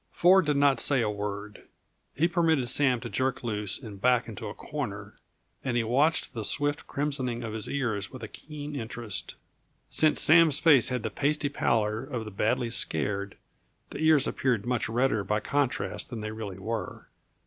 Ford did not say a word. He permitted Sam to jerk loose and back into a corner, and he watched the swift crimsoning of his ears with a keen interest. Since Sam's face had the pasty pallor of the badly scared, the ears appeared much redder by contrast than they really were.